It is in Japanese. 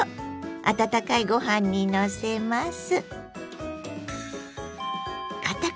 温かいご飯にのせます。